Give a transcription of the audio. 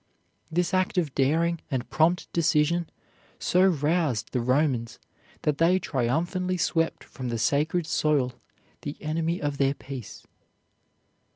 This act of daring and prompt decision so roused the Romans that they triumphantly swept from the sacred soil the enemy of their peace.